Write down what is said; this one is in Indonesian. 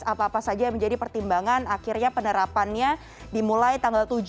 apa apa saja yang menjadi pertimbangan akhirnya penerapannya dimulai tanggal tujuh